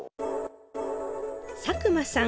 佐久間さん